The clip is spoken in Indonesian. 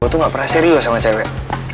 gue tuh gak pernah serius sama cewek